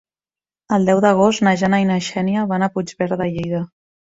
El deu d'agost na Jana i na Xènia van a Puigverd de Lleida.